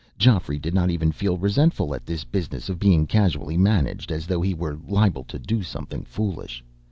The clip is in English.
Geoffrey did not even feel resentful at this business of being casually managed, as though he were liable to do something foolish.